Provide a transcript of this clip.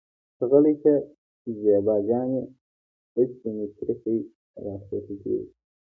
ته غلې شه زېبا جانې اسې مې تريخی راخوټکېږي.